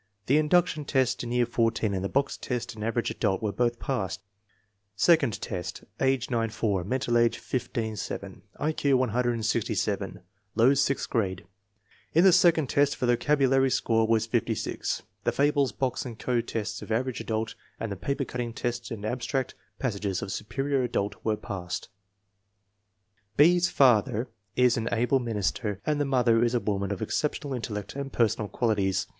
The induction test in year 14 and the box test in Average Adult were both Second test: age 9 4; mental age 15 7; I Q 167; low sixth grade. In the second test the vocabulary score was 56. The fables, box and code tests of Average Adult, and the paper cutting test and abstract pas sages of Superior Adult were passed. B.'s father is an able minister, and the mother is a woman of exceptional intellect and personal qualities.